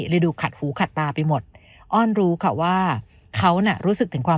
ได้ดูขัดหูขัดตาไปหมดอ้อนรู้ค่ะว่าเขาน่ะรู้สึกถึงความ